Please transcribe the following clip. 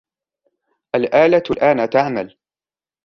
الآلة الآن تعمل.